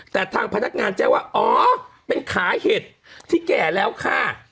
แต่ทางพนักงานแจ้งว่าอ๋อเป็นขาเห็ดที่แก่แล้วค่ะ